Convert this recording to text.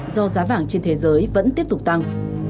do giá vàng trên thế giới vẫn tiếp tục tăng